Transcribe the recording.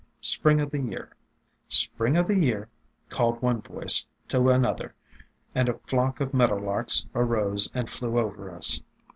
Spring o' the year, Spring o' the year, called one voice to another, and a flock of meadow larks arose and flew over us.